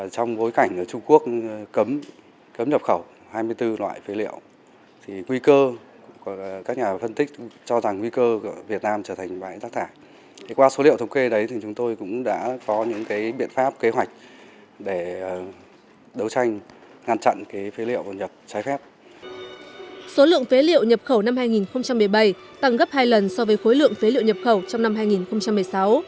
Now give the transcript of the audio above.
số lượng phế liệu nhập khẩu năm hai nghìn một mươi bảy tăng gấp hai lần so với khối lượng phế liệu nhập khẩu trong năm